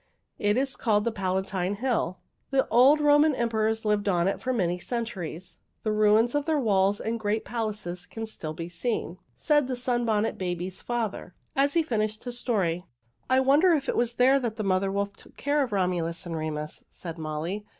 It is called the Palatine Hill. The old Roman emperors lived on it for many centuries. The ruins of their walls and great palaces can still be seen," said the Sunbonnet Babies' father, as he finished his story. "I wonder if it was there that the mother wolf took care of Romulus and Remus," said Molly.